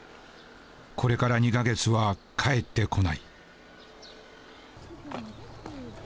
これから２か月は帰ってこない。